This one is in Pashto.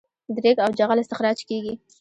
د ریګ او جغل استخراج کیږي